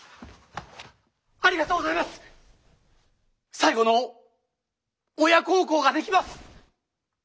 最後の親孝行ができます。